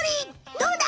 どうだ。